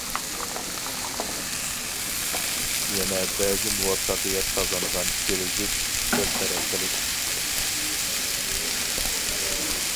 يەنە بەزى مۇۋەپپەقىيەت قازانغان كىرىزىس بىر تەرەپ قىلىش.